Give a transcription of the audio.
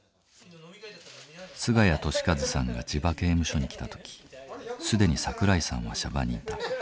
菅家利和さんが千葉刑務所に来た時既に桜井さんは娑婆にいた。